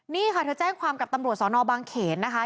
นี่ค่ะเธอแจ้งความกับตำรวจสอนอบางเขนนะคะ